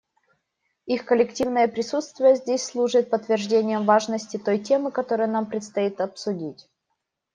Их коллективное присутствие здесь служит подтверждением важности той темы, которую нам предстоит обсудить.